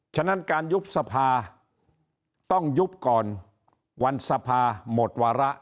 ฉะนั้นการยุบสภาต้องยุบก่อนวันสภาหมดวาระ